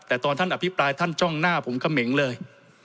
แต่ตอนท่านอภิปรายท่านจ้องหน้าผมเขมงเลย